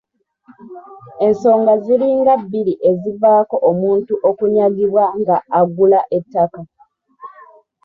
Ensonga ziringa bbiri ezivaako omuntu okunyagibwa nga agula ettaka.